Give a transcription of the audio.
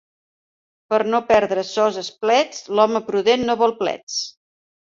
Per no perdre sos esplets, l'home prudent no vol plets.